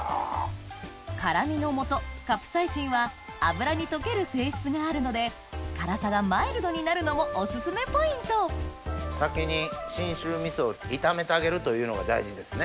辛みのもとカプサイシンは油に溶ける性質があるので辛さがマイルドになるのもお薦めポイント先に信州味噌を炒めてあげるというのが大事ですね。